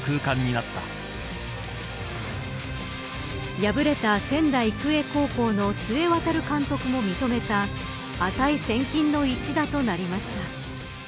敗れた仙台育英高校の須江航監督も認めた値千金の一打となりました。